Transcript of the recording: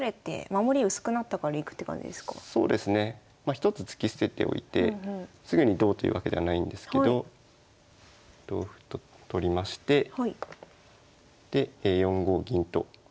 １つ突き捨てておいてすぐにどうというわけではないんですけど同歩と取りましてで４五銀と。